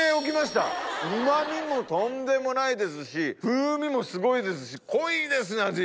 うま味もとんでもないですし風味もすごいですし濃いですね！